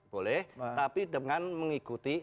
boleh tapi dengan mengikuti